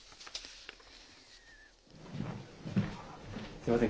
すいません。